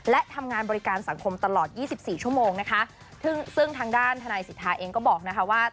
และทำงานบริการสังคมตลอดยี่สิบสี่ชั่วโมงนะคะซึ่งซึ่งทางด้านทนายสิทธาเองก็บอกนะคะว่า